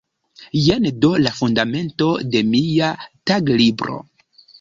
Jen do la fundamento de mia taglibro“.